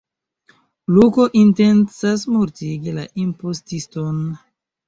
Luko intencas mortigi la impostiston.